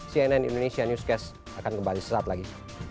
cnn indonesia newscast akan kembali sesaat lagi